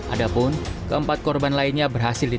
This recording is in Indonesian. adapun keempat korban lainnya berhasil ditemukan